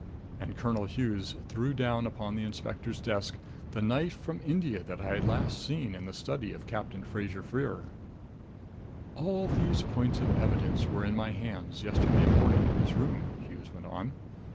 And Colonel Hughes threw down upon the inspector's desk the knife from India that I had last seen in the study of Captain Fraser Freer. "All these points of evidence were in my hands yesterday morning in this room," Hughes went on.